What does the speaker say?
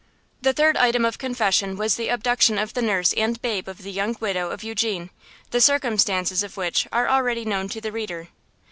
The third item of confession was the abduction of the nurse and babe of the young widow of Eugene, the circumstances of which are already known to the reader.